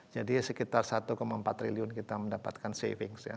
jadi sekitar satu empat triliun kita mendapatkan saving